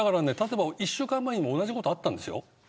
１週間前にも同じことあったんですよ。